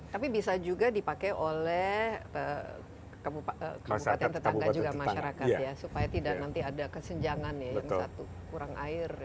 tapi bisa juga dipakai oleh kabupaten tetangga juga masyarakat ya supaya tidak nanti ada kesenjangan ya yang satu kurang air